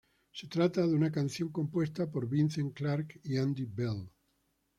Se trata de una canción compuesta por Vince Clarke y Andy Bell.